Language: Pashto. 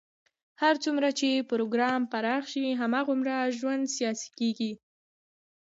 هر څومره چې پروګرام پراخ شي، هغومره ژوند سیاسي کېږي.